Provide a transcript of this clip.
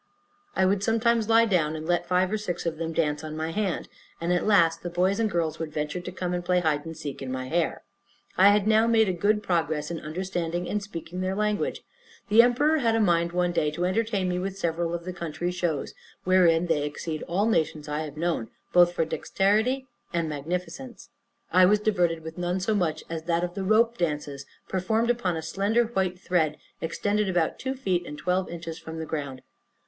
I would sometimes lie down and let five or six of them dance on my hand; and, at last, the boys and girls would venture to come and play at hide and seek in my hair. I had now made a good progress in understanding and speaking their language. The emperor had a mind, one day, to entertain me with several of the country shows, wherein they exceed all nations I have known, both for dexterity and magnificence. I was diverted with none so much as that of the rope dances, performed upon a slender white thread, extended about two feet, and twelve inches from the ground.